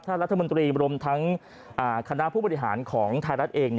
รัฐมนตรีรวมทั้งคณะผู้บริหารของไทยรัฐเอง